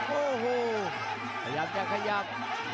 โอ้โหขยับขยับ